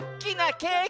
ケーキ！